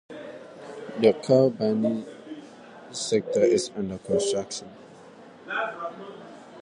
The Katra-Banihal section is under construction.